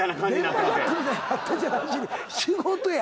仕事や！